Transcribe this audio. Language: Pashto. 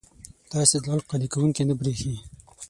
دا استدلال قانع کوونکی نه برېښي.